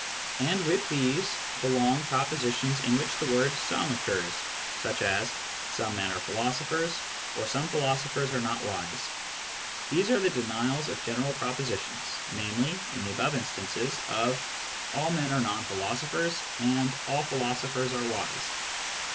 And with these belong propositions in which the word " some " occurs, such as " some men are philosophers " or " some philoso phers are not wise." These are the denials of general propositions, namely (in the above instances), of " all men are non philosophers" and "all philosophers are wise."